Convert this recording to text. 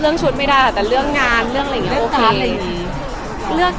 เรื่องชุดไม่ได้แต่เรื่องงานเรื่องอะไรอย่างนี้โอเค